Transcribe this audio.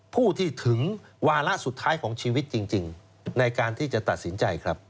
ผู้ที่ถึงวาระสุดท้ายของชีวิตจริงในการที่จะตัดสินใจครับ